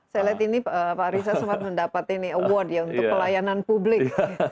saya lihat ini pak arissa sempat mendapat award untuk pelayanan publik